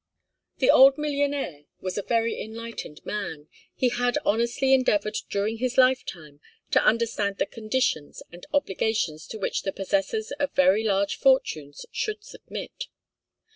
The old millionaire was a very enlightened man, and had honestly endeavoured during his lifetime to understand the conditions and obligations to which the possessors of very large fortunes should submit.